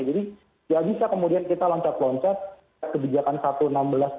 jadi nggak bisa kemudian kita loncat loncat kebijakan satu sampai enam belas belum selesai